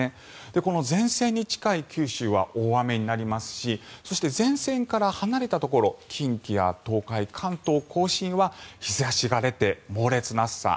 この前線に近い九州は大雨になりますしそして前線から離れたところ近畿や東海、関東・甲信は日差しが出て猛烈な暑さ。